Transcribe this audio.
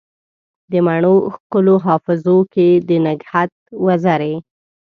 د مڼو ښکلو حافظو کې دنګهت وزرې